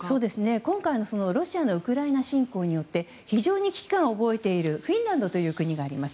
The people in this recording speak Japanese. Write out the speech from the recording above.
今回のロシアのウクライナ侵攻によって非常に危機感を覚えているフィンランドという国があります。